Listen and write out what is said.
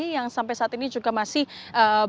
yang sampai saat ini juga masih berada